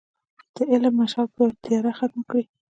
د علم مشعل به تیاره ختمه کړي.